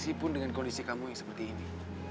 meskipun dengan kondisi kamu yang seperti ini